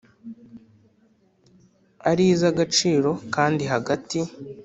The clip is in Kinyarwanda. Ari iz agaciro kandi hagati